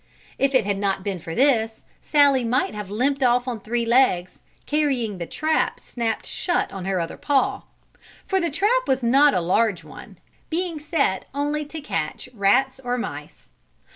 If it had not been for this Sallie might have limped off on three legs, carrying the trap snapped shut on her other paw; for the trap was not a large one, being set only to catch rats or mice.